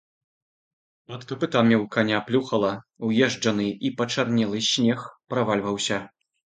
Пад капытамі ў каня плюхала, уезджаны і пачарнелы снег правальваўся.